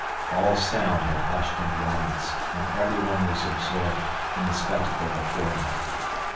All sound had hushed in the audience and everyone was absorbed in the spectacle before them.